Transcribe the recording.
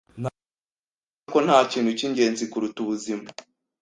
Ntawabura kuvuga ko ntakintu cyingenzi kuruta ubuzima.